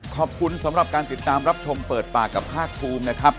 ขอบคุณสำหรับการติดตามรับชมเปิดปากกับภาคคุณ